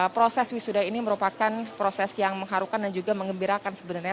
proses wisuda ini merupakan proses yang mengharukan dan juga mengembirakan sebenarnya